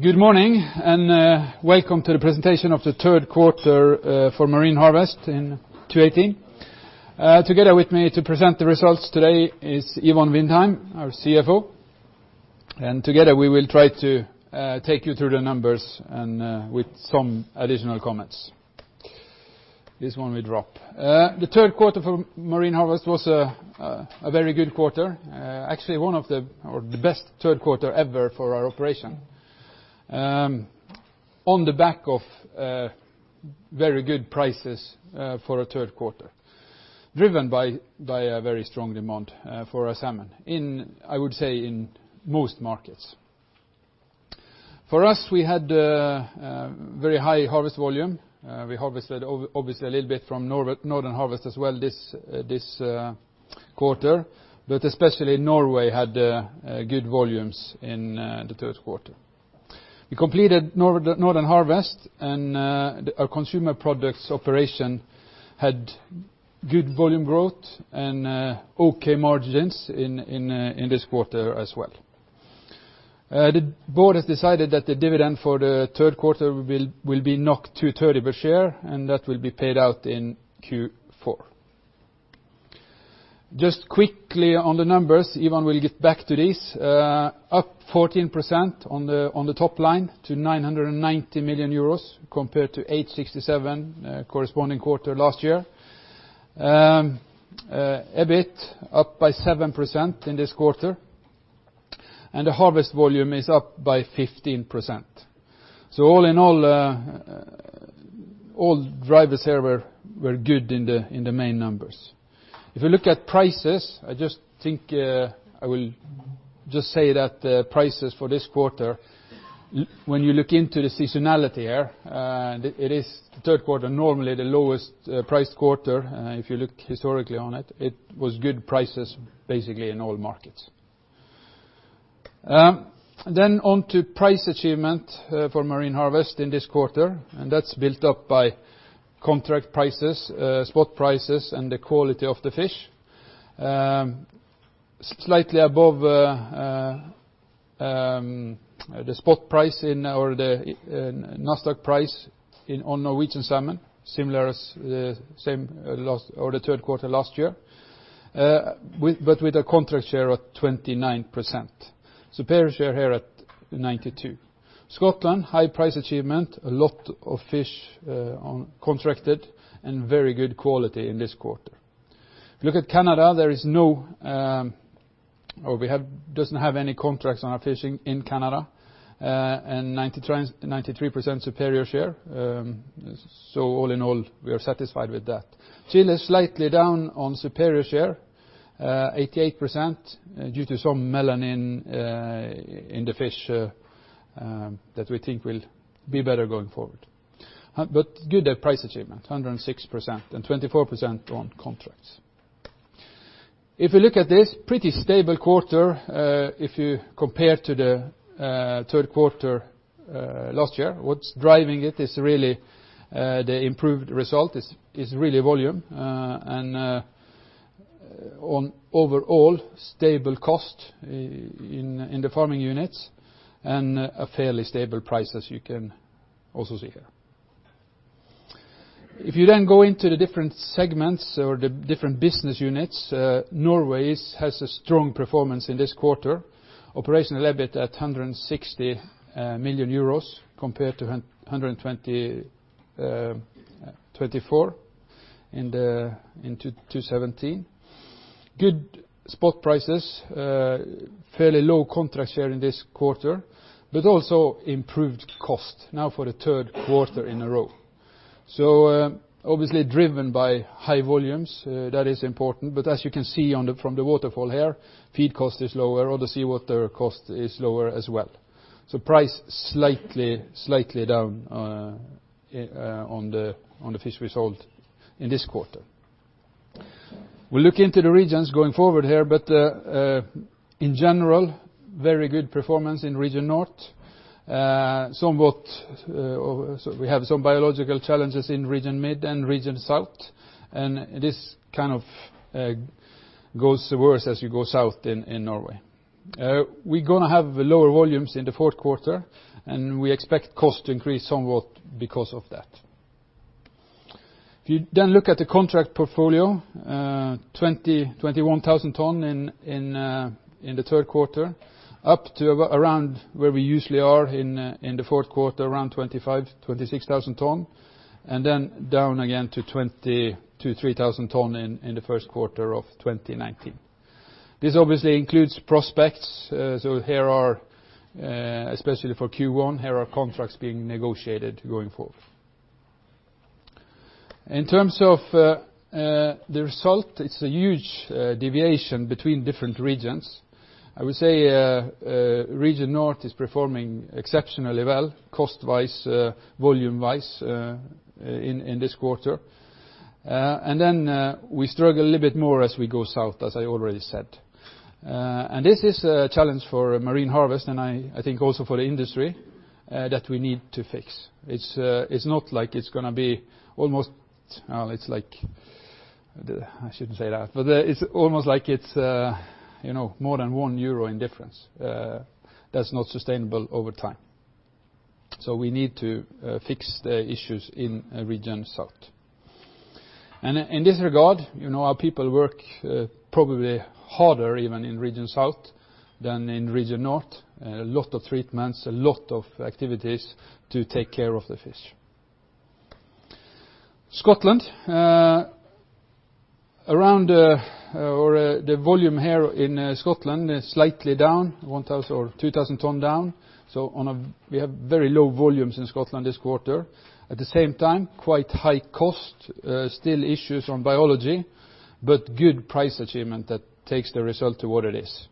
Good morning, and welcome to the presentation of the third quarter for Marine Harvest in 2018. Together with me to present the results today is Ivan Vindheim, our CFO, and together we will try to take you through the numbers and with some additional comments. This one we drop. The third quarter for Marine Harvest was a very good quarter. Actually, one of the best third quarter ever for our operation. On the back of very good prices for a third quarter, driven by a very strong demand for our salmon in, I would say, in most markets. For us, we had very high harvest volume. We harvested obviously a little bit from Northern Harvest as well this quarter, but especially Norway had good volumes in the third quarter. We completed Northern Harvest and our consumer products operation had good volume growth and okay margins in this quarter as well. The board has decided that the dividend for the third quarter will be 2.30 per share, that will be paid out in Q4. Just quickly on the numbers, Ivan will get back to this, up 14% on the top line to 990 million euros compared to 867 corresponding quarter last year. EBIT up by 7% in this quarter. The harvest volume is up by 15%. All in all drivers here were good in the main numbers. If you look at prices, I will just say that the prices for this quarter, when you look into the seasonality here, it is the third quarter, normally the lowest price quarter. If you look historically on it was good prices basically in all markets. On to price achievement for Marine Harvest in this quarter, and that's built up by contract prices, spot prices, and the quality of the fish. Slightly above the spot price or the Nasdaq price on Norwegian salmon, similar as the third quarter last year but with a contract share of 29%. Superior share here at 92%. Scotland, high price achievement, a lot of fish contracted, and very good quality in this quarter. If you look at Canada, we doesn't have any contracts on our fishing in Canada, and 93% superior share. All in all, we are satisfied with that. Chile is slightly down on superior share, 88%, due to some melanosis in the fish that we think will be better going forward. Good price achievement, 106%, and 24% on contracts. If we look at this, pretty stable quarter, if you compare to the third quarter last year. What's driving it is really the improved result is really volume. On overall, stable cost in the farming units and a fairly stable price as you can also see here. If you go into the different segments or the different business units, Norway has a strong performance in this quarter. Operational EBIT at 160 million euros compared to 124 million in 2017. Good spot prices, fairly low contract share in this quarter, also improved cost now for the third quarter in a row. Obviously driven by high volumes, that is important, as you can see from the waterfall here, feed cost is lower or the seawater cost is lower as well. Price slightly down on the fish we sold in this quarter. We look into the regions going forward here, in general, very good performance in Region North. We have some biological challenges in Region Mid and Region South, this kind of goes worse as you go south in Norway. We're going to have lower volumes in the fourth quarter, we expect costs to increase somewhat because of that. If you then look at the contract portfolio, 21,000 tons in the third quarter, up to around where we usually are in the fourth quarter, around 25,000-26,000 tons, then down again to 22,000-23,000 tons in the first quarter of 2019. This obviously includes prospects, especially for Q1, here are contracts being negotiated going forward. In terms of the results, it's a huge deviation between different regions. I would say Region North is performing exceptionally well cost-wise, volume-wise, in this quarter. Then we struggle a little bit more as we go south, as I already said. This is a challenge for Marine Harvest and I think also for the industry that we need to fix. It's not like it's going to be almost like it's more than 1 euro in difference. That's not sustainable over time. We need to fix the issues in Region South. In this regard, our people work probably harder even in Region South than in Region North. A lot of treatments, a lot of activities to take care of the fish. Scotland. The volume here in Scotland is slightly down, 2,000 tons down. We have very low volumes in Scotland this quarter. At the same time, quite high cost, still issues on biology, but good price achievement that takes the result to what it is.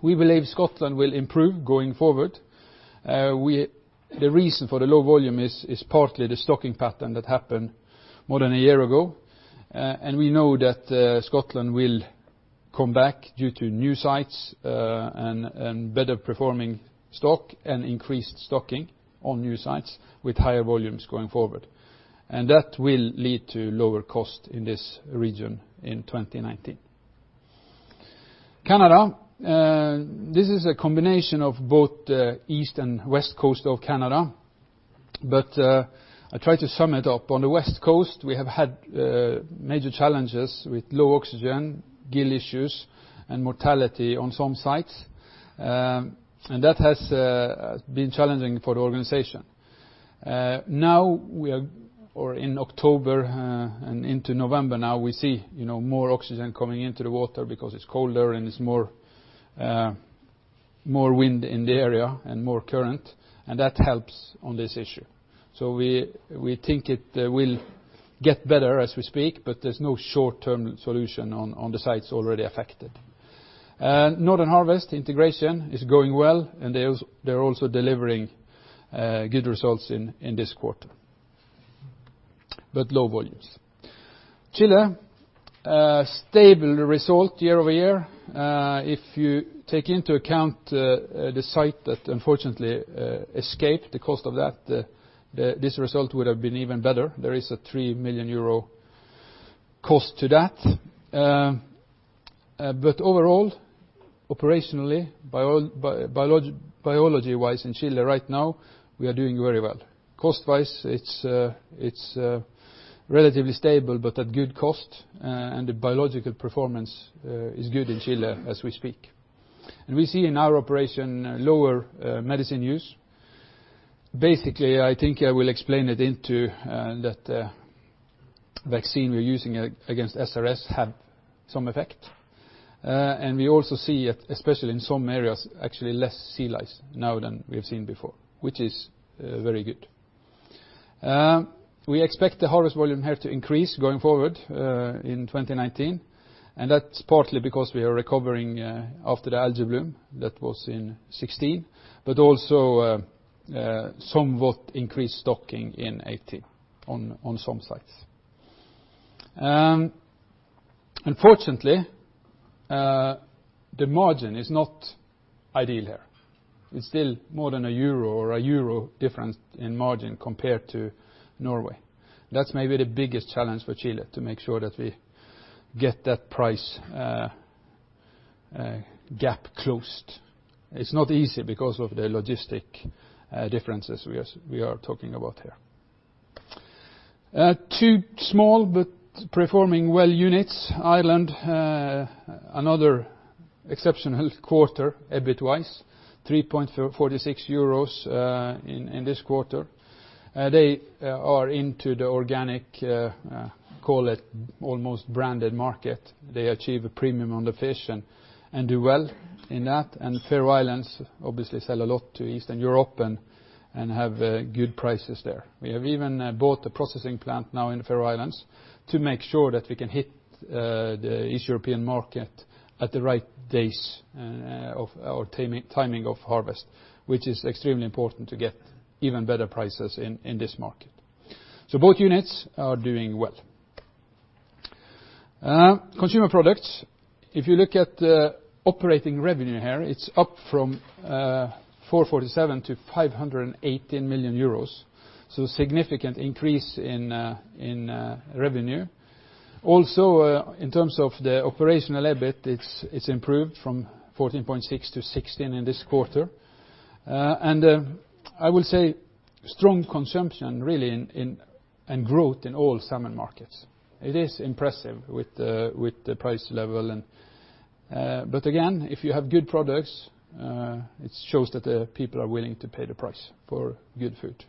We believe Scotland will improve going forward. The reason for the low volume is partly the stocking pattern that happened more than a year ago. We know that Scotland will come back due to new sites, and better performing stock, and increased stocking on new sites with higher volumes going forward. That will lead to lower cost in this region in 2019. Canada. This is a combination of both the East and West Coast of Canada. I try to sum it up. On the West Coast, we have had major challenges with low oxygen, gill issues, and mortality on some sites. That has been challenging for the organization. In October and into November now, we see more oxygen coming into the water because it's colder and it's more wind in the area and more current, and that helps on this issue. We think it will get better as we speak, but there's no short-term solution on the sites already affected. Northern Harvest integration is going well, and they're also delivering good results in this quarter, but low volumes. Chile, stable result year-over-year. If you take into account the site that unfortunately escaped, the cost of that, this result would have been even better. There is a 3 million euro cost to that. Overall, operationally, biology-wise in Chile right now, we are doing very well. Cost-wise, it's relatively stable, but at good cost, and the biological performance is good in Chile as we speak. We see in our operation lower medicine use. Basically, I think I will explain it into that vaccine we're using against SRS have some effect. We also see, especially in some areas, actually less sea lice now than we have seen before, which is very good. We expect the harvest volume here to increase going forward in 2019, and that's partly because we are recovering after the algae bloom that was in 2016, but also somewhat increased stocking in 2018 on some sites. Unfortunately, the margin is not ideal here. It's still more than 1 EUR or 1 EUR difference in margin compared to Norway. That's maybe the biggest challenge for Chile, to make sure that we get that price gap closed. It's not easy because of the logistic differences we are talking about here. Two small, but performing well units. Ireland, another exceptional quarter, EBIT-wise, 3.46 euros in this quarter. They are into the organic, call it, almost branded market. They achieve a premium on the fish and do well in that. Faroe Islands obviously sell a lot to Eastern Europe and have good prices there. We have even bought a processing plant now in the Faroe Islands to make sure that we can hit the East European market at the right days or timing of harvest, which is extremely important to get even better prices in this market. Both units are doing well. Consumer products, if you look at the operating revenue here, it's up from 447 million to 518 million euros. Significant increase in revenue. In terms of the operational EBIT, it's improved from 14.6 million to 16 million in this quarter. I will say strong consumption, really, and growth in all salmon markets. It is impressive with the price level and again, if you have good products, it shows that the people are willing to pay the price for good food.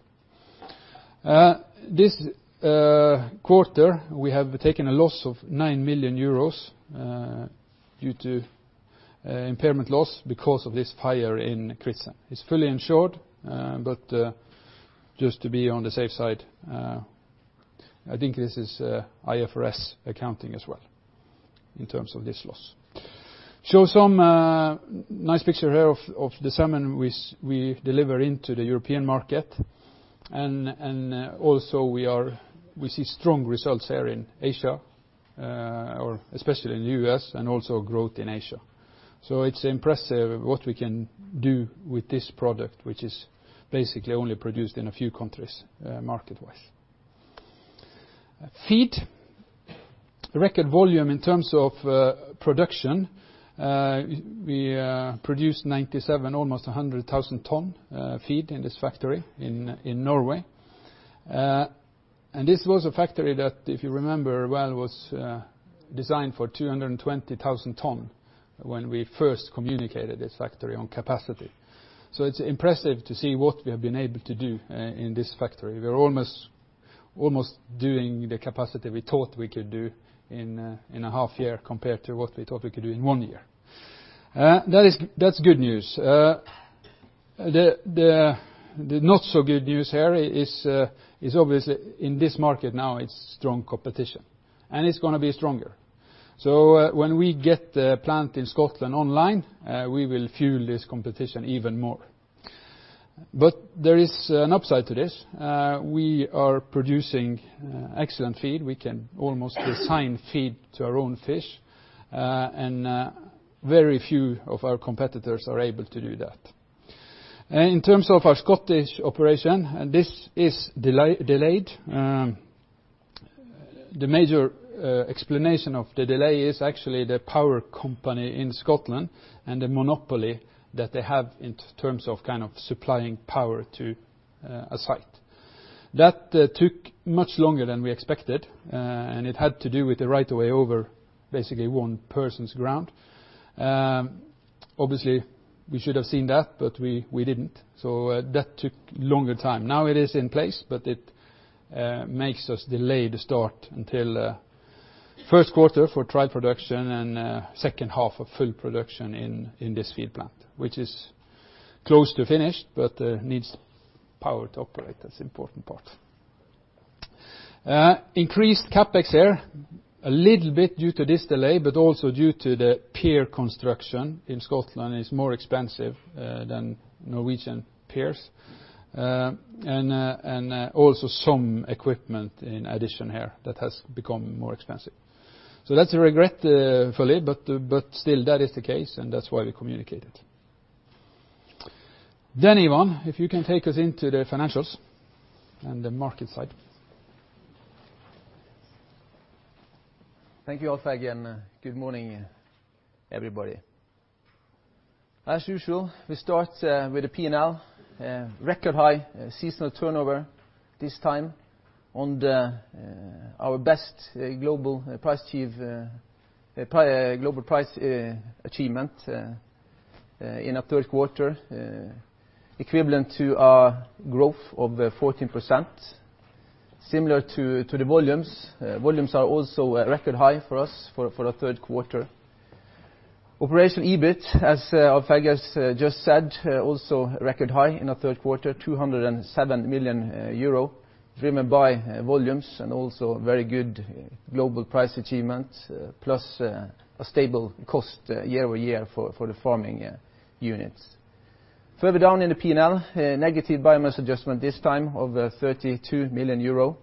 This quarter, we have taken a loss of 9 million euros due to impairment loss because of this fire in Kritsen. It's fully insured, just to be on the safe side, I think this is IFRS accounting as well in terms of this loss. Show some nice picture here of the salmon we deliver into the European market. Also we see strong results here in Asia or especially in the U.S. and also growth in Asia. It's impressive what we can do with this product, which is basically only produced in a few countries, market-wise. Feed, record volume in terms of production. We produced 97,000, almost 100,000 ton feed in this factory in Norway. This was a factory that, if you remember well, was designed for 220,000 ton when we first communicated this factory on capacity. It's impressive to see what we have been able to do in this factory. We're almost doing the capacity we thought we could do in 0.5 year compared to what we thought we could do in one year. That's good news. The not so good news here is obviously in this market now, it's strong competition and it's going to be stronger. When we get the plant in Scotland online, we will fuel this competition even more. There is an upside to this. We are producing excellent feed. We can almost assign feed to our own fish. Very few of our competitors are able to do that. In terms of our Scottish operation, this is delayed. The major explanation of the delay is actually the power company in Scotland and the monopoly that they have in terms of supplying power to a site. That took much longer than we expected. It had to do with the right of way over basically one person's ground. Obviously, we should have seen that, but we didn't. That took longer time. Now it is in place, but it makes us delay the start until first quarter for trial production and second half of full production in this feed plant, which is close to finished but needs power to operate. That's the important part. Increased CapEx here, a little bit due to this delay, but also due to the pier construction in Scotland is more expensive than Norwegian piers. Also some equipment in addition here that has become more expensive. That's regretfully, but still that is the case and that's why we communicate it. Ivan, if you can take us into the financials and the market side. Thank you, Alf, again. Good morning, everybody. As usual, we start with the P&L. Record high seasonal turnover this time on our best global price achievement in a third quarter, equivalent to a growth of 14%, similar to the volumes. Volumes are also record high for us for a third quarter. Operational EBIT, as Alf just said, also record high in the third quarter, 207 million euro, driven by volumes and also very good global price achievement, plus a stable cost year-over-year for the farming units. Further down in the P&L, negative biomass adjustment this time of 32 million euro.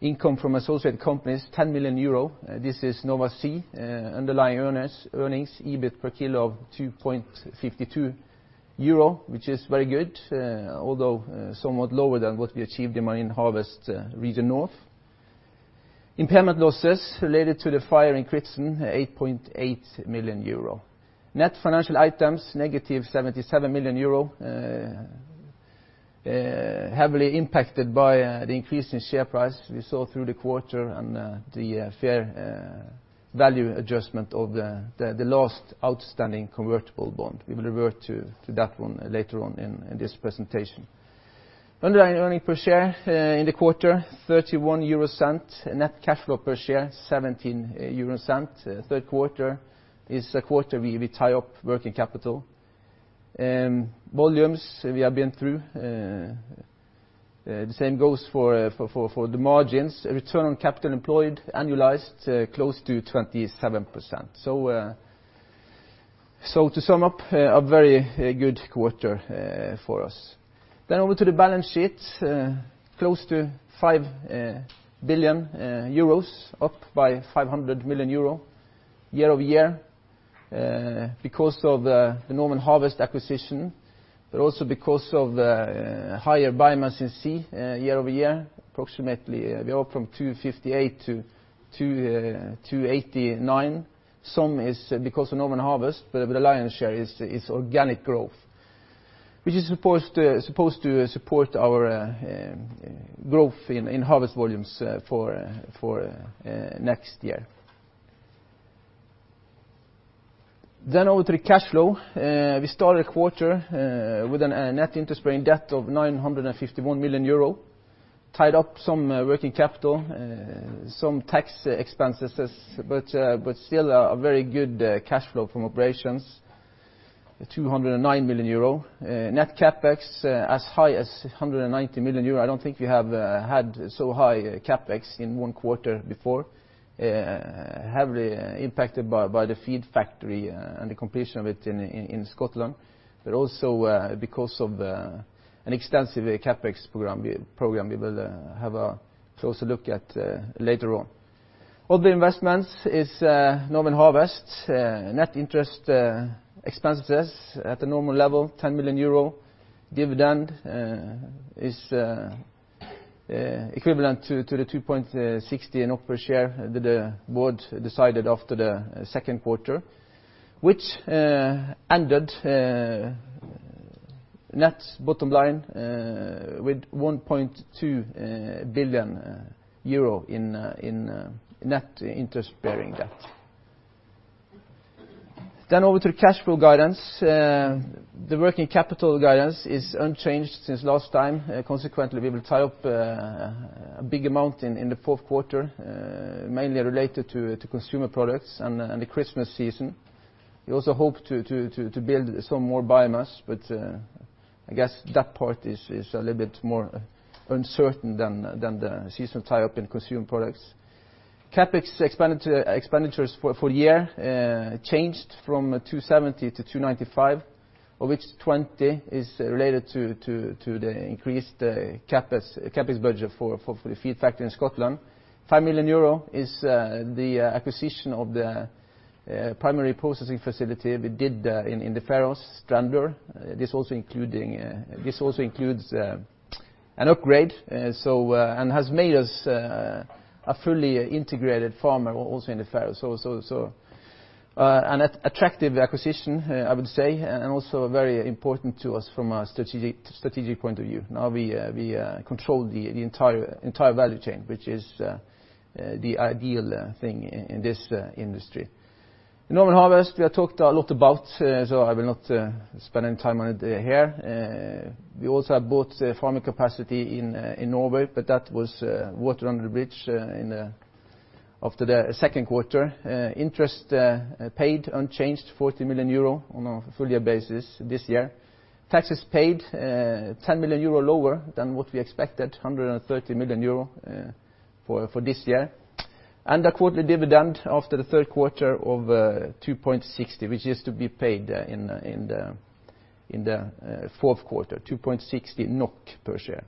Income from associated companies, 10 million euro. This is Nova Sea underlying earnings, EBIT per kilo of 2.52 euro, which is very good, although somewhat lower than what we achieved in Marine Harvest Region North. Impairment losses related to the fire in Kritsen, 8.8 million euro. Net financial items, -77 million euro, heavily impacted by the increase in share price we saw through the quarter and the fair value adjustment of the last outstanding convertible bond. We will revert to that one later on in this presentation. Underlying earning per share in the quarter, 0.31. Net cash flow per share, 0.17. Third quarter is a quarter we tie up working capital. Volumes we have been through. The same goes for the margins. Return on capital employed, annualized, close to 27%. To sum up, a very good quarter for us. Over to the balance sheet, close to 5 billion euros, up by 500 million euro year-over-year because of the Northern Harvest acquisition, but also because of higher biomass in sea year-over-year, approximately we are from 258,000 to 289. Some is because of Northern Harvest, but the lion's share is organic growth, which is supposed to support our growth in harvest volumes for next year. Over to the cash flow. We started the quarter with a net interest-bearing debt of 951 million euro, tied up some working capital, some tax expenses, but still a very good cash flow from operations, 209 million euro. Net CapEx as high as 190 million euro. I don't think we have had so high CapEx in one quarter before. Heavily impacted by the feed factory and the completion of it in Scotland, but also because of an extensive CapEx program we will have a closer look at later on. All the investments is Northern Harvest. Net interest expenses at the normal level, 10 million euro. Dividend is equivalent to the 2.60 per share that the board decided after the second quarter, which ended net bottom line with 1.2 billion euro in net interest-bearing debt. Over to the cash flow guidance. The working capital guidance is unchanged since last time. Consequently, we will tie up a big amount in the fourth quarter, mainly related to consumer products and the Christmas season. We also hope to build some more biomass, I guess that part is a little bit more uncertain than the seasonal tie-up in consumer products. CapEx expenditures for the year changed from 270 to 295, of which 20 is related to the increased CapEx budget for the feed factory in Scotland. 5 million euro is the acquisition of the primary processing facility we did in the Faroes, Strendur. This also includes an upgrade and has made us a fully integrated farmer also in the Faroes. An attractive acquisition, I would say, and also very important to us from a strategic point of view. Now we control the entire value chain, which is the ideal thing in this industry. Northern Harvest, we have talked a lot about, so I will not spend any time on it here. We also have bought farming capacity in Norway, but that was water under the bridge after the second quarter. Interest paid unchanged, 40 million euro on a full year basis this year. Taxes paid, 10 million euro lower than what we expected, 130 million euro for this year. A quarterly dividend after the third quarter of 2.60, which is to be paid in the fourth quarter, 2.60 NOK per share.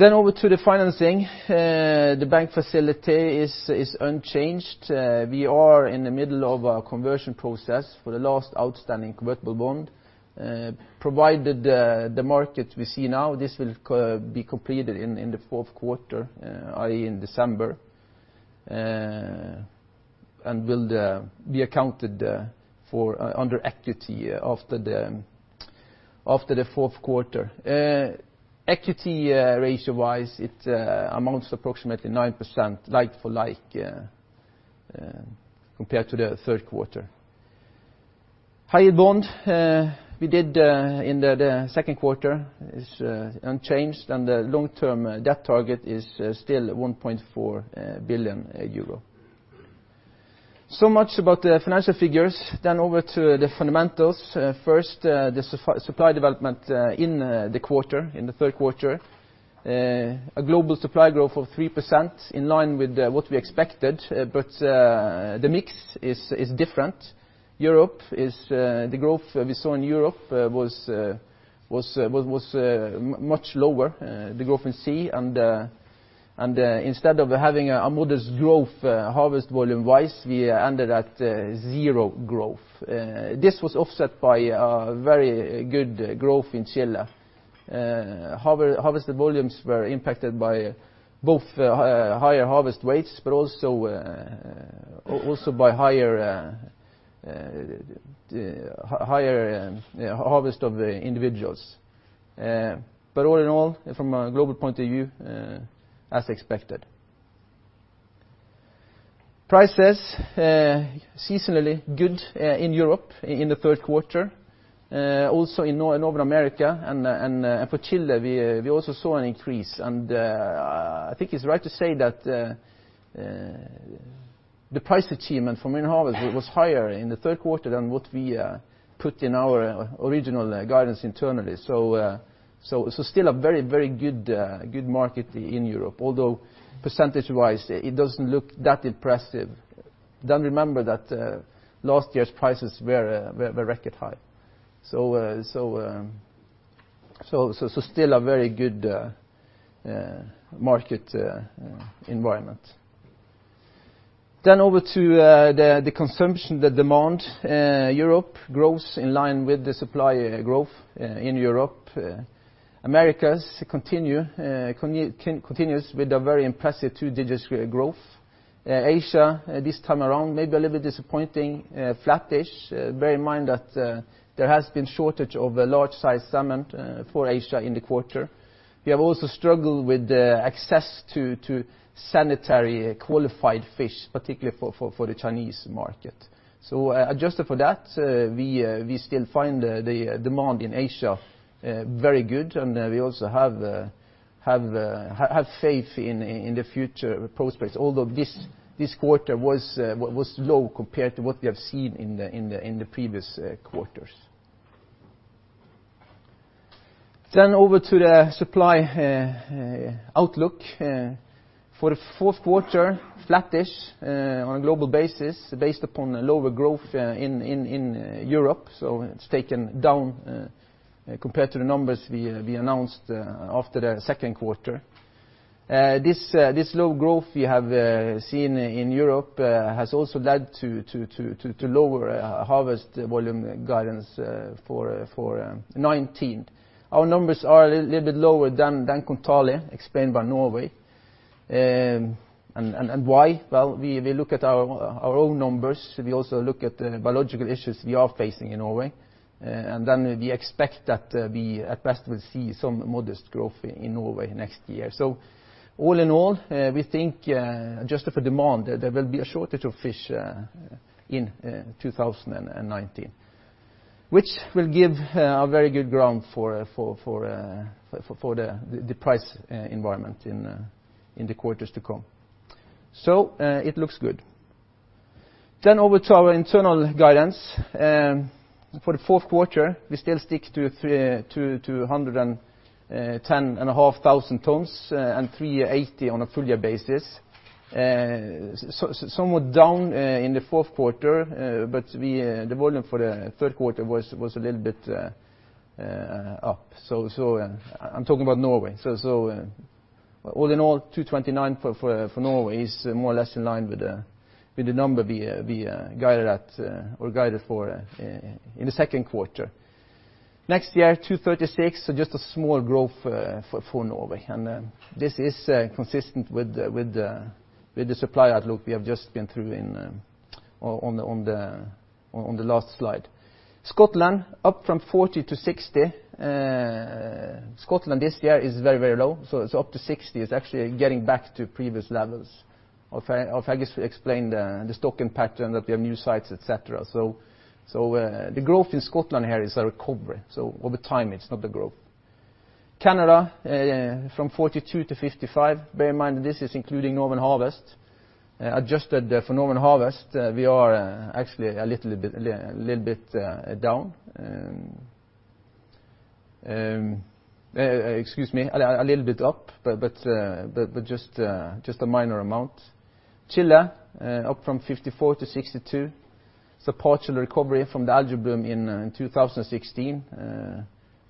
Over to the financing. The bank facility is unchanged. We are in the middle of a conversion process for the last outstanding convertible bond. Provided the market we see now, this will be completed in the fourth quarter, i.e., in December, and will be accounted for under equity after the fourth quarter. Equity ratio-wise, it amounts to approximately 9%, like for like, compared to the third quarter. Hybrid bond we did in the second quarter is unchanged, and the long-term debt target is still 1.4 billion euro. Much about the financial figures. Over to the fundamentals. First, the supply development in the quarter, in the third quarter. A global supply growth of 3%, in line with what we expected, the mix is different. The growth we saw in Europe was much lower, the growth in sea, instead of having a modest growth, harvest volume-wise, we ended at zero growth. This was offset by a very good growth in Chile. Harvested volumes were impacted by both higher harvest weights, but also by higher harvest of the individuals. All in all, from a global point of view, as expected. Prices, seasonally good in Europe in the third quarter. Also in Northern America and for Chile, we also saw an increase. I think it's right to say that the price achievement for Northern Harvest was higher in the third quarter than what we put in our original guidance internally. Still a very good market in Europe, although percentage-wise, it doesn't look that impressive. Remember that last year's prices were record high. Still a very good market environment. Over to the consumption, the demand. Europe grows in line with the supply growth in Europe. Americas continues with a very impressive two-digit growth. Asia, this time around, maybe a little bit disappointing, flat-ish. Bear in mind that there has been shortage of a large-size salmon for Asia in the quarter. We have also struggled with access to sanitary qualified fish, particularly for the Chinese market. Adjusted for that, we still find the demand in Asia very good, and we also have faith in the future prospects. This quarter was low compared to what we have seen in the previous quarters. Over to the supply outlook. For the fourth quarter, flat-ish on a global basis, based upon lower growth in Europe. It's taken down compared to the numbers we announced after the second quarter. This low growth we have seen in Europe has also led to lower harvest volume guidance for 2019. Our numbers are a little bit lower than Kontali explained by Norway. Why? Well, we look at our own numbers. We also look at the biological issues we are facing in Norway. We expect that we, at best, will see some modest growth in Norway next year. All in all, we think, adjusted for demand, there will be a shortage of fish in 2019, which will give a very good ground for the price environment in the quarters to come. It looks good. Over to our internal guidance. For the fourth quarter, we still stick to 110,500 tonnes and 380,000 on a full year basis. Somewhat down in the fourth quarter, but the volume for the third quarter was a little bit up. I'm talking about Norway. All in all, 229,000 for Norway is more or less in line with the number we guided for in the second quarter. Next year, 236,000 so just a small growth for Norway. This is consistent with the supply outlook we have just been through on the last slide. Scotland, up from 40,000 to 60,000. Scotland this year is very low, so it's up to 60,000. It's actually getting back to previous levels. Alf-Helge explained the stock impact and that we have new sites, et cetera. The growth in Scotland here is a recovery. Over time, it's not a growth. Canada from 42,000 to 55,000. Bear in mind, this is including Northern Harvest. Adjusted for Northern Harvest, we are actually a little bit down. Excuse me, a little bit up, but just a minor amount. Chile, up from 54,000 to 62,000. It's a partial recovery from the algae bloom in 2016.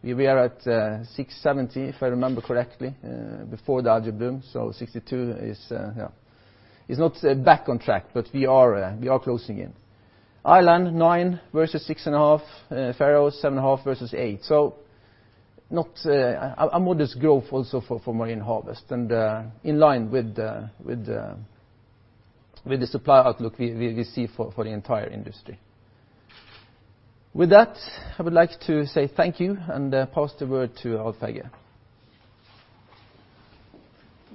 We are at 60,000, 70,000, if I remember correctly, before the algae bloom. 62,000 is not back on track, but we are closing in. Ireland, 9,000 versus 6,500. Faroe, 7,500 versus 8,000. A modest growth also for Marine Harvest, and in line with the supply outlook we see for the entire industry. With that, I would like to say thank you and pass the word to Alf-Helge.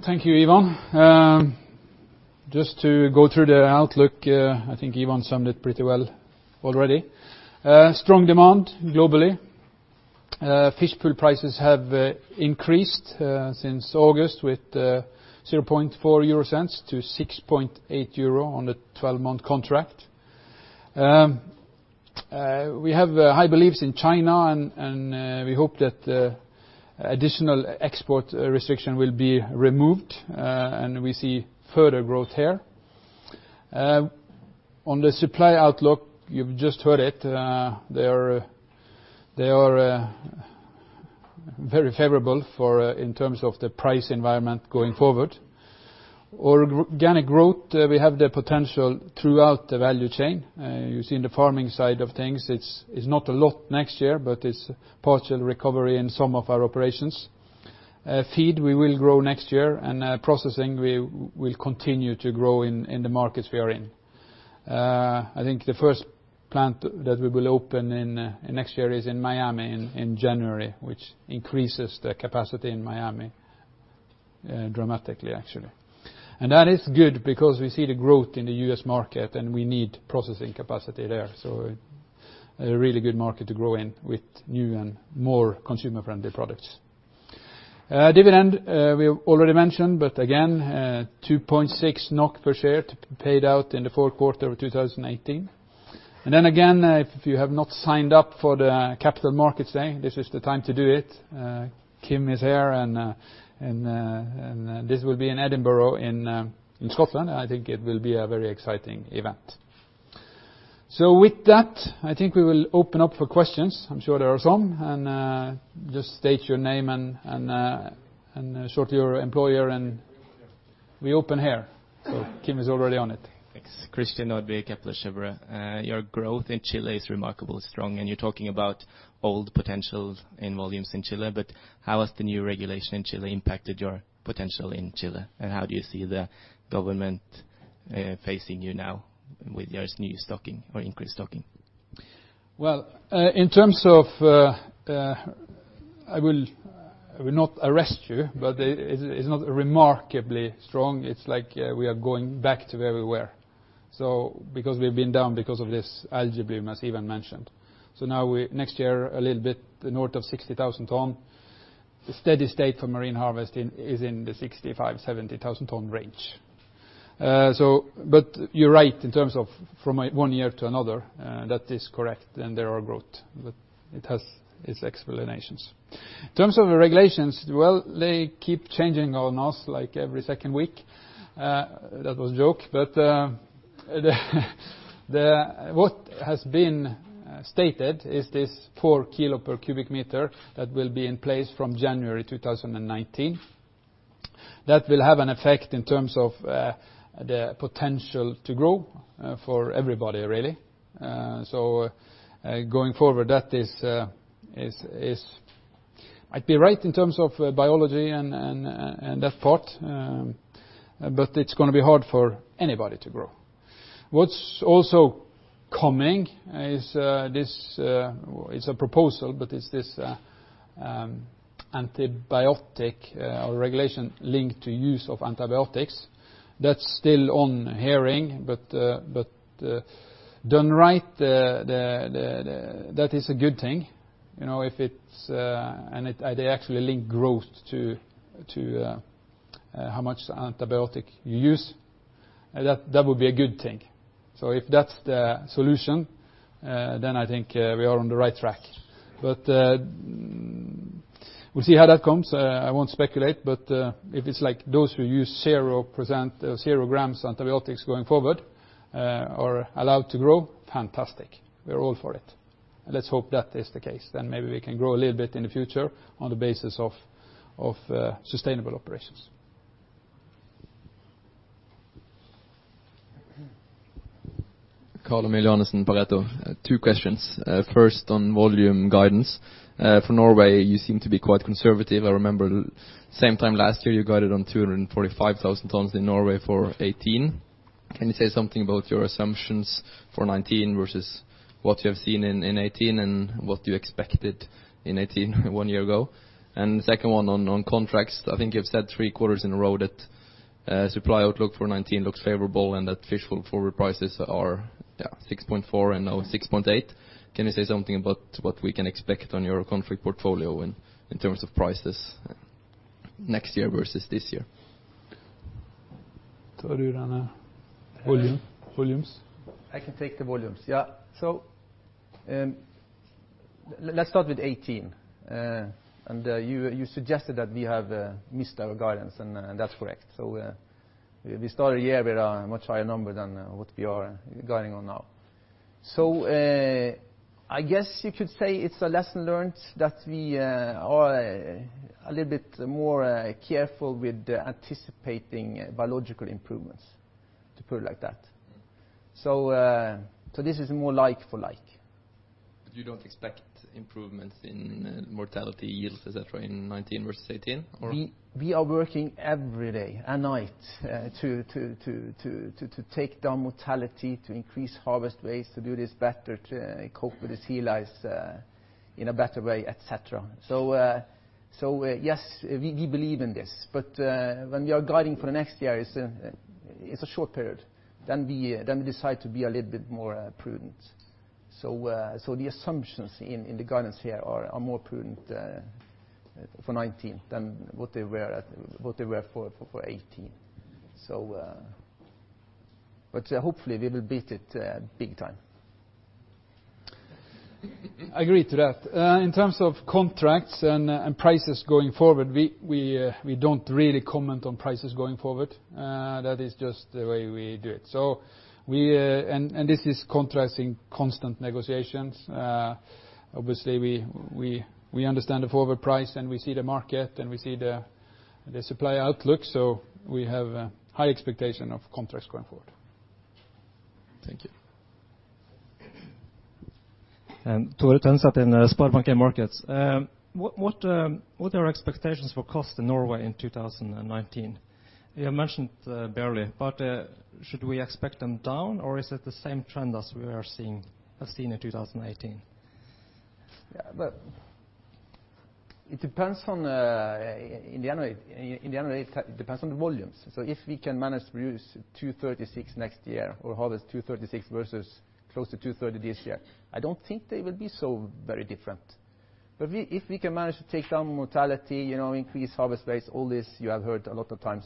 Thank you, Ivan. Just to go through the outlook, I think Ivan summed it pretty well already. Strong demand globally. Fish Pool prices have increased since August with 0.04 to 6.8 euro on the 12-month contract. We have high beliefs in China, and we hope that additional export restriction will be removed, and we see further growth here. On the supply outlook, you've just heard it. They are very favorable in terms of the price environment going forward. Organic growth, we have the potential throughout the value chain. You see in the farming side of things, it's not a lot next year, but it's partial recovery in some of our operations. Feed, we will grow next year, and processing, we will continue to grow in the markets we are in. I think the first plant that we will open next year is in Miami in January, which increases the capacity in Miami dramatically, actually. That is good because we see the growth in the U.S. market, and we need processing capacity there. A really good market to grow in with new and more consumer-friendly products. Dividend, we already mentioned, but again, 2.6 NOK per share to be paid out in the fourth quarter of 2018. Then again, if you have not signed up for the Capital Markets Day, this is the time to do it. Kim is here, and this will be in Edinburgh in Scotland. I think it will be a very exciting event. With that, I think we will open up for questions. I'm sure there are some. Just state your name and shortly your employer. We open here. We open here. Kim is already on it. Thanks. Christian Nordby, Kepler Cheuvreux. Your growth in Chile is remarkably strong, and you're talking about all potentials in volumes in Chile, but how has the new regulation in Chile impacted your potential in Chile? How do you see the government facing you now with this new stocking or increased stocking? Well, in terms of I will not arrest you, but it's not remarkably strong. It's like we are going back to where we were. We've been down because of this algae bloom, as Ivan mentioned. Now next year, a little bit north of 60,000 ton. Steady state for Marine Harvest is in the 65,000, 70,000 ton range. You're right in terms of from one year to another. That is correct, and there are growth, but it has its explanations. In terms of the regulations, well, they keep changing on us every second week. That was a joke. What has been stated is this 4 kilo per cubic meter that will be in place from January 2019. That will have an effect in terms of the potential to grow, for everybody, really. Going forward, that might be right in terms of biology and that part, but it's going to be hard for anybody to grow. What's also coming is a proposal, but it's this antibiotic or regulation linked to use of antibiotics. That's still on hearing, but done right, that is a good thing. If they actually link growth to how much antibiotic you use, that would be a good thing. If that's the solution, then I think we are on the right track. We'll see how that comes. I won't speculate, but if it's like those who use 0 g antibiotics going forward are allowed to grow, fantastic. We're all for it. Let's hope that is the case, then maybe we can grow a little bit in the future on the basis of sustainable operations. Carl-Emil Johannessen, Pareto. Two questions. First on volume guidance. For Norway, you seem to be quite conservative. I remember same time last year, you guided on 245,000 tons in Norway for 2018. Can you say something about your assumptions for 2019 versus what you have seen in 2018 and what you expected in 2018, one year ago? The second one on contracts. I think you've said three quarters in a row that supply outlook for 2019 looks favorable and that fish forward prices are 6.4 and now 6.8. Can you say something about what we can expect on your contract portfolio in terms of prices next year versus this year? volume. Volumes. I can take the volumes. Yeah. Let's start with 2018. You suggested that we have missed our guidance, and that's correct. I started the year with a much higher number than what we are guiding on now. I guess you could say it's a lesson learned that we are a little bit more careful with anticipating biological improvements, to put it like that. This is more like for like. You don't expect improvements in mortality yields, et cetera, in 2019 versus 2018, or? We are working every day and night to take down mortality, to increase harvest rates, to do this better, to cope with the sea lice in a better way, et cetera. Yes, we believe in this, but when we are guiding for the next year, it's a short period. We decide to be a little bit more prudent. The assumptions in the guidance here are more prudent for 2019 than what they were for 2018. Hopefully we will beat it big time. I agree to that. In terms of contracts and prices going forward, we don't really comment on prices going forward. That is just the way we do it. This is contrasting constant negotiations. Obviously, we understand the forward price and we see the market and we see the supply outlook, so we have a high expectation of contracts going forward. Thank you. Tore Tønseth, SpareBank 1 Markets. What are your expectations for cost in Norway in 2019? You have mentioned barely, but should we expect them down, or is it the same trend as we have seen in 2018? Yeah. It depends. In the end, it depends on the volumes. If we can manage to produce 236,000 next year or harvest 236,000 versus close to 230,000 this year, I don't think they will be so very different. If we can manage to take down mortality, increase harvest rates, all this you have heard a lot of times,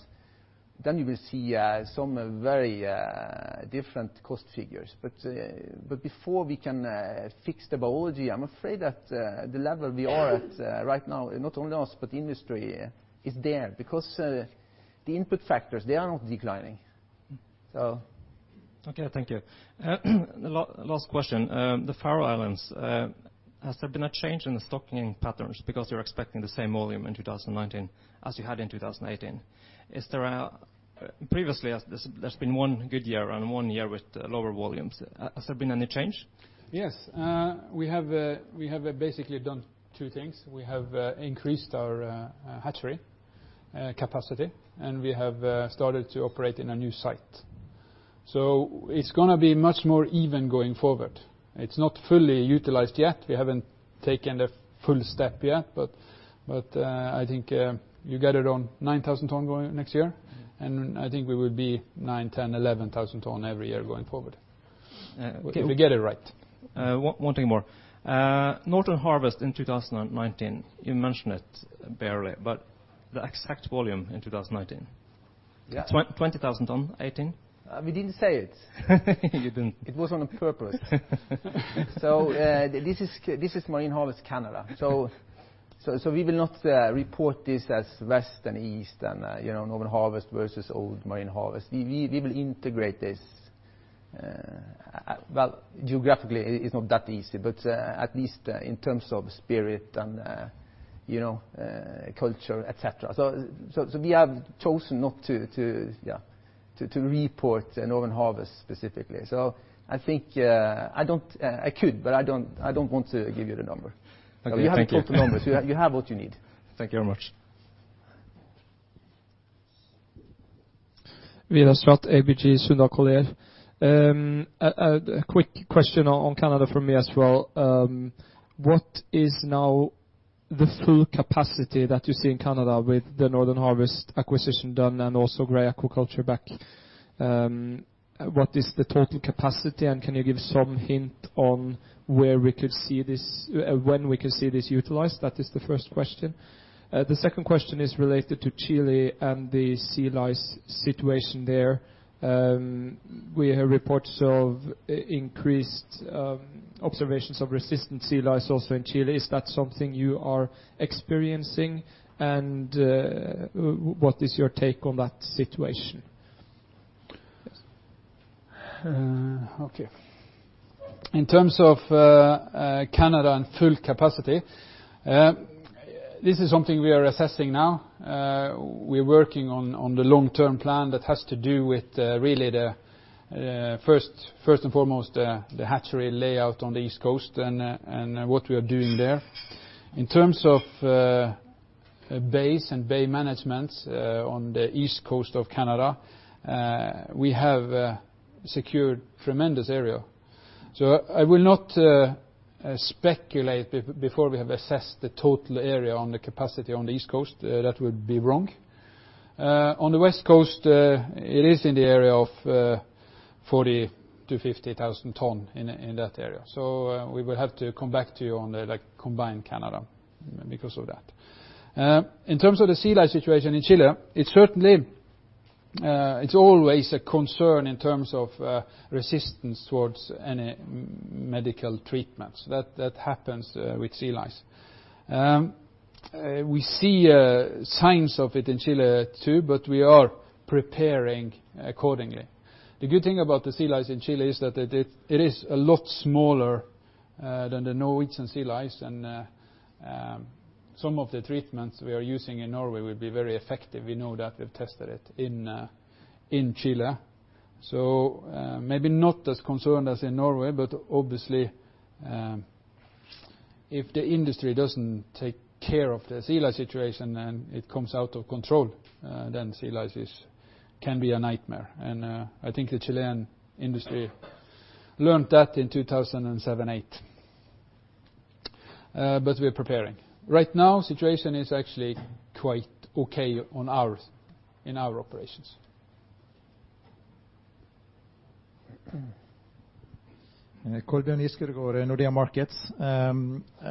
then you will see some very different cost figures. Before we can fix the biology, I'm afraid that the level we are at right now, not only us, but the industry, is there because the input factors are not declining. Okay, thank you. Last question. The Faroe Islands, has there been a change in the stocking patterns because you're expecting the same volume in 2019 as you had in 2018? Previously, there's been one good year and one year with lower volumes. Has there been any change? Yes. We have basically done two things. We have increased our hatchery capacity, and we have started to operate in a new site. It's going to be much more even going forward. It's not fully utilized yet. We haven't taken the full step yet. I think you get it on 9,000 tons next year, and I think we will be 9,000, 10,000, 11,000 tons every year going forward. If we get it right. One thing more. Northern Harvest in 2019, you mentioned it barely, but the exact volume in 2019? It's 20,000 on 2018. We didn't say it. You didn't. It was on purpose. This is Marine Harvest Canada. We will not report this as west and east and Northern Harvest versus old Marine Harvest. We will integrate this. Well, geographically, it's not that easy, but at least in terms of spirit and culture, et cetera. We have chosen not to report Northern Harvest specifically. I could, but I don't want to give you the number. Thank you. You have the total numbers. You have what you need. Thank you very much. Vidar Strat, ABG Sundal Collier. A quick question on Canada from me as well. What is now the full capacity that you see in Canada with the Northern Harvest acquisition done and also Gray Aquaculture back? What is the total capacity, and can you give some hint on when we could see this utilized? That is the first question. The second question is related to Chile and the sea lice situation there. We have reports of increased observations of resistant sea lice also in Chile. Is that something you are experiencing, and what is your take on that situation? Okay. In terms of Canada and full capacity, this is something we are assessing now. We're working on the long-term plan that has to do with really, first and foremost, the hatchery layout on the east coast and what we are doing there. In terms of bays and bay management on the east coast of Canada, we have secured tremendous area. I will not speculate before we have assessed the total area on the capacity on the east coast. That would be wrong. On the west coast, it is in the area of 40,000 to 50,000 tons in that area. We will have to come back to you on the combined Canada because of that. In terms of the sea lice situation in Chile, it's always a concern in terms of resistance towards any medical treatments. That happens with sea lice. We see signs of it in Chile, too, but we are preparing accordingly. The good thing about the sea lice in Chile is that it is a lot smaller than the Norwegian sea lice, and some of the treatments we are using in Norway will be very effective. We know that. We've tested it in Chile. Maybe not as concerned as in Norway, but obviously, if the industry doesn't take care of the sea lice situation and it comes out of control, then sea lice can be a nightmare. I think the Chilean industry learned that in 2007-2008. We are preparing. Right now, situation is actually quite okay in our operations. Kolbjørn Giskeødegård, Nordea Markets. A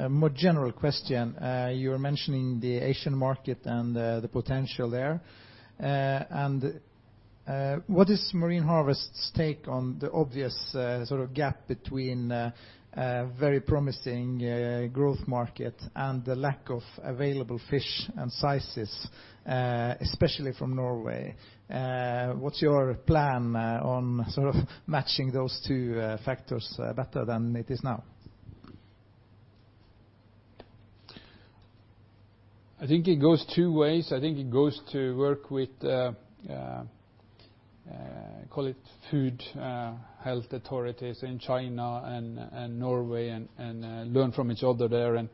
more general question. You were mentioning the Asian market and the potential there. What is Marine Harvest's take on the obvious gap between a very promising growth market and the lack of available fish and sizes, especially from Norway? What's your plan on matching those two factors better than it is now? I think it goes two ways. I think it goes to work with food health authorities in China and Norway, and learn from each other there and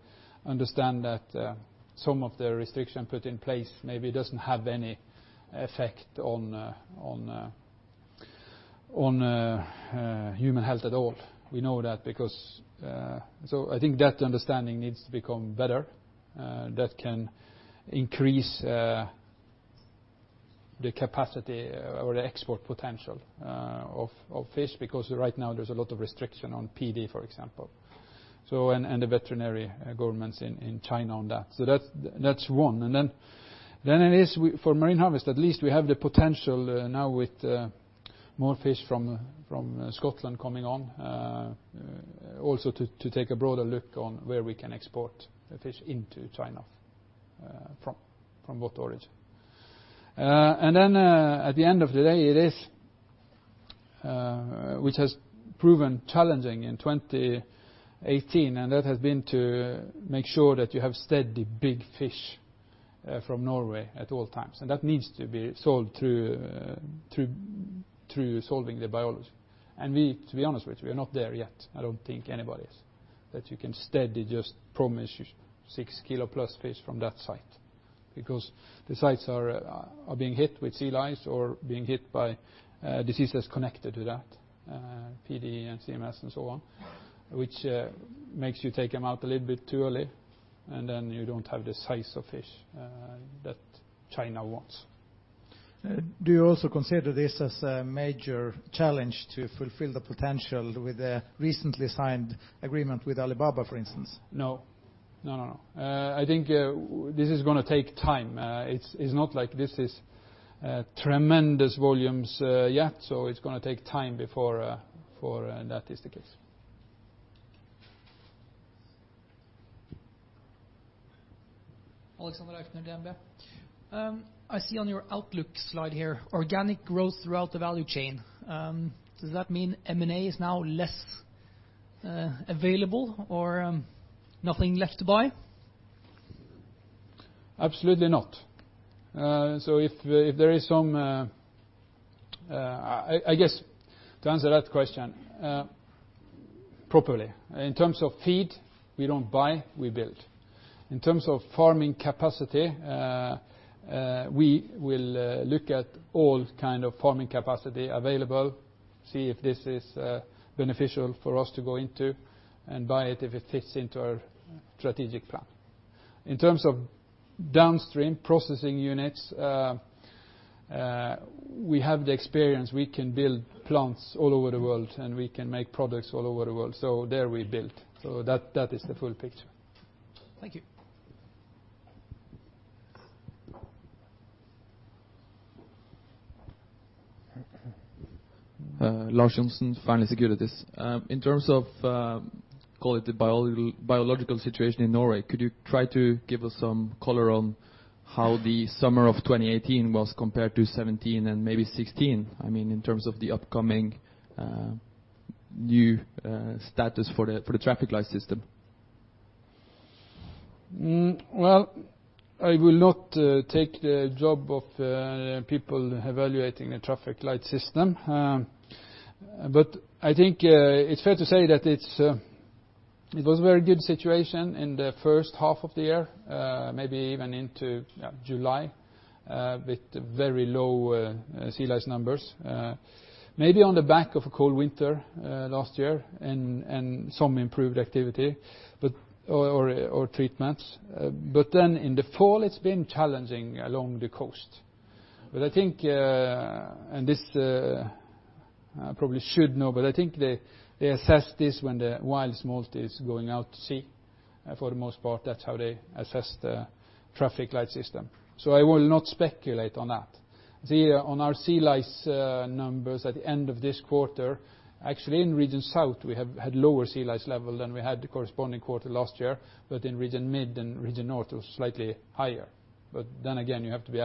understand that some of the restriction put in place maybe doesn't have any effect on human health at all. We know that. I think that understanding needs to become better. That can increase the capacity or the export potential of fish, because right now there's a lot of restriction on PD, for example. The veterinary governments in China on that. That's one. Then it is for Marine Harvest, at least we have the potential now with more fish from Scotland coming on, also to take a broader look on where we can export the fish into China from both origins. At the end of the day, which has proven challenging in 2018, and that has been to make sure that you have steady, big fish from Norway at all times. That needs to be solved through solving the biology. To be honest with you, we are not there yet. I don't think anybody is, that you can steady just promise 6+ kilo fish from that site. The sites are being hit with sea lice or being hit by diseases connected to that, PD and CMS and so on, which makes you take them out a little bit too early, and then you don't have the size of fish that China wants. Do you also consider this as a major challenge to fulfill the potential with the recently signed agreement with Alibaba, for instance? No. I think this is going to take time. It's not like this is tremendous volumes yet, so it's going to take time before that is the case. Alexander Aukner from DNB. I see on your outlook slide here, organic growth throughout the value chain. Does that mean M&A is now less available or nothing left to buy? Absolutely not. I guess to answer that question properly, in terms of feed, we don't buy, we build. In terms of farming capacity, we will look at all kind of farming capacity available, see if this is beneficial for us to go into and buy it if it fits into our strategic plan. In terms of downstream processing units, we have the experience, we can build plants all over the world, and we can make products all over the world. There, we build. That is the full picture. Thank you. Lars Johnsen, Fearnley Securities. In terms of, call it the biological situation in Norway, could you try to give us some color on how the summer of 2018 was compared to 2017 and maybe 2016, in terms of the upcoming new status for the Traffic Light System? Well, I will not take the job of people evaluating the traffic light system. I think it's fair to say that it was very good situation in the first half of the year, maybe even into July, with very low sea lice numbers. Maybe on the back of a cold winter last year and some improved activity or treatments. In the fall, it's been challenging along the coast. I probably should know, but I think they assess this when the wild smolt is going out to sea. For the most part, that's how they assess the traffic light system. I will not speculate on that. On our sea lice numbers at the end of this quarter, actually in Region South, we have had lower sea lice level than we had the corresponding quarter last year, but in Region Mid and Region North, it was slightly higher. Again, you have to be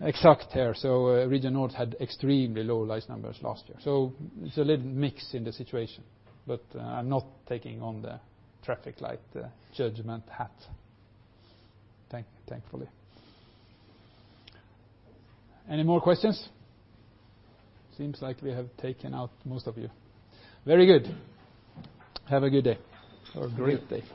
exact here. Region North had extremely low lice numbers last year. It's a little mix in the situation. I'm not taking on the traffic light judgment hat, thankfully. Any more questions? Seems like we have taken out most of you. Very good. Have a good day or a great day.